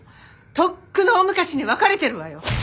とっくの大昔に別れてるわよ！